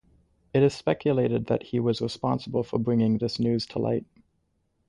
It is speculated that he was responsible for bringing this news to light.